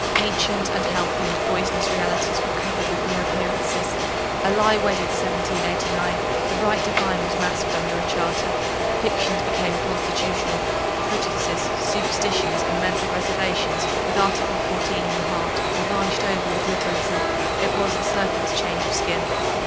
Ancient unhealthy and poisonous realities were covered with new appearances. A lie wedded 1789; the right divine was masked under a charter; fictions became constitutional; prejudices, superstitions and mental reservations, with Article 14 in the heart, were varnished over with liberalism. It was the serpent's change of skin.